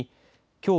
きょう